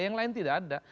yang lain tidak ada